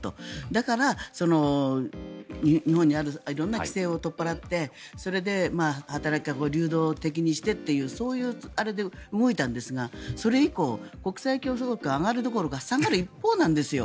だから、日本にある色んな規制を取っ払ってそれで働き方も流動的にしてというそういうあれで動いたんですがそれ以降国際競争力が上がるどころか下がる一方なんですよ。